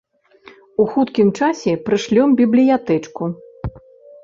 У хуткім часе прышлём бібліятэчку.